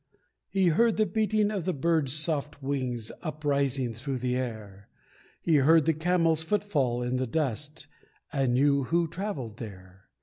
He heard the beating of the bird's soft wings Uprising through the air; He heard the camel's footfall in the dust, And knew who travelled there.